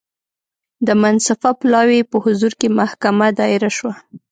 د منصفه پلاوي په حضور کې محکمه دایره شوه.